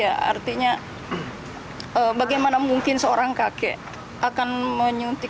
ya artinya bagaimana mungkin seorang kakek akan menyuntik